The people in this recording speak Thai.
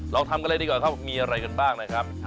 ลองทำกันเลยดีกว่าครับมีอะไรกันบ้างนะครับ